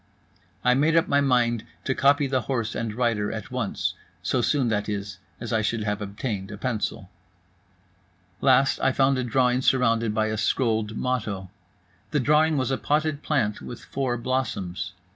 I made up my mind to copy the horse and rider at once, so soon, that is, as I should have obtained a pencil. Last, I found a drawing surrounded by a scrolled motto. The drawing was a potted plant with four blossoms.